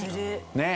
ねえ。